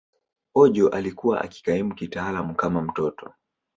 Ojo alikuwa akikaimu kitaaluma kama mtoto.